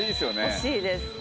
欲しいです。